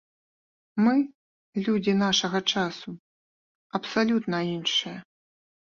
Мы, людзі нашага часу, абсалютна іншыя.